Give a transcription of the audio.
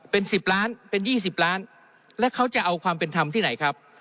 เป็น๑๐ล้านเป็น๒๐ล้านแล้วเขาจะเอาความเป็นธรรมที่ไหนครับ